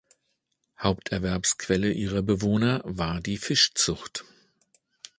Haupterwerbsquelle ihrer Bewohner war die Fischzucht.